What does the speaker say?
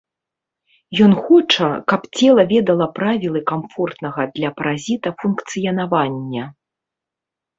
Ён хоча, каб цела ведала правілы камфортнага для паразіта функцыянавання.